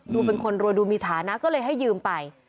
ดูเป็นคนรวยดูมีฐานะก็เลยให้ยืมไป